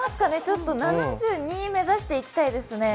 ７２目指していきたいですね。